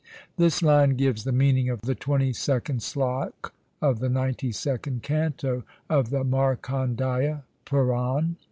This line gives the meaning of the twenty second slok of the ninety second canto of the ' Markandeya Puran